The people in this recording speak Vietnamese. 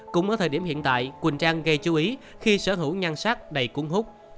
cũng ở thời điểm hiện tại quỳnh trang gây chú ý khi sở hữu nhan sắc đầy cuốn hút